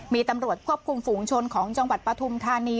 มีตำรวจควบคุมฝูงชนของจังหวัดปฐุมธานี